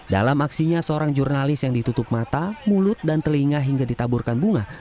dalam aksinya seorang jurnalis yang ditutup mata mulut dan telinga hingga ditaburkan bunga